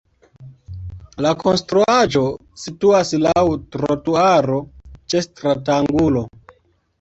La konstruaĵo situas laŭ trotuaro ĉe stratangulo.